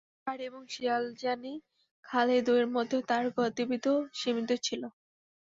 বাড়ি এবং শিয়ালজানি খাল-এ দুয়ের মধ্যেই তার গতিবিধি সীমিত ছিল।